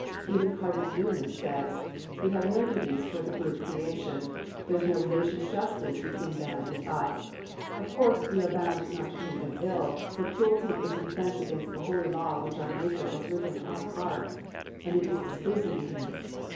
Even Cardinal Newman said, 'We have no duties toward the brute creation; there is no relation of justice between them and us. Of course, we are bound not to treat them ill, for cruelty is an offense against the holy law which our Maker has written on our hearts, and it is displeasing to Him.